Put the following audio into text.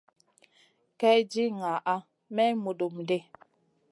Kay di ŋaha may mudum ɗi.